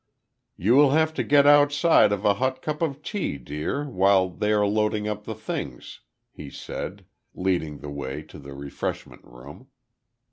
"You will have to get outside of a hot cup of tea, dear, while they are loading up the things," he said, leading the way to the refreshment room.